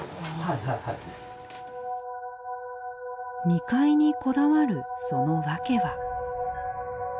２階にこだわるその訳は。